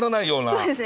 そうですね。